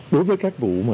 đối với các vụ